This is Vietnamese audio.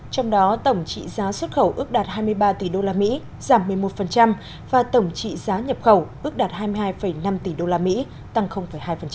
trong đó tổng trị giá xuất khẩu ước đạt hai mươi ba tỷ usd giảm một mươi một và tổng trị giá nhập khẩu ước đạt hai mươi hai năm tỷ usd tăng hai